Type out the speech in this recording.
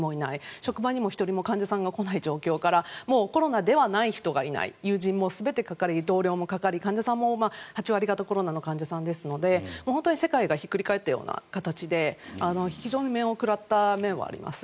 職場にも１人も患者さんが来ない状況からもうコロナではない人がいない友人も全てかかり、同僚もかかり患者さんも８割方コロナの患者さんですので本当に世界がひっくり返ったような形で非常に面を食らった面はあります。